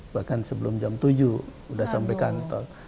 bahkan sebelum jam tujuh sudah sampai kantor